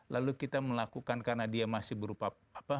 lalu kita melakukan karena dia masih berupa apa